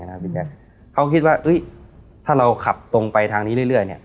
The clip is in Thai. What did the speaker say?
ครับพี่แจ็คเขาคิดว่าอุ๊ยถ้าเราขับตรงไปทางนี้เรื่อยเรื่อยเนี้ย